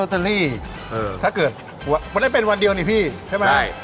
ก็โรตเตอรี่ถ้าเกิดไม่ได้เป็นวันเดียวนี่พี่ใช่ไหม